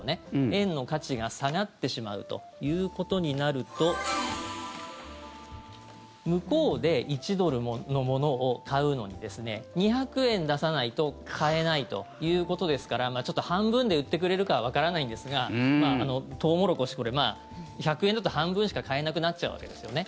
円の価値が下がってしまうということになると向こうで１ドルのものを買うのに２００円出さないと買えないということですからちょっと半分で売ってくれるかはわからないんですがトウモロコシ１００円だと半分しか買えなくなっちゃうわけですよね。